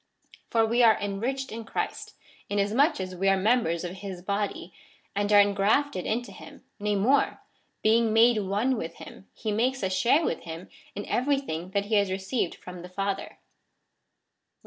For we are enriched in Christ, inasmuch as we are members of his body, and are engrafted into him : nay more, being made one with him, he makes us share w^ith him in every thing that he has received from the Father.